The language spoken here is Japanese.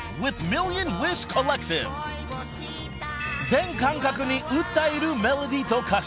［全感覚に訴えるメロディーと歌詞］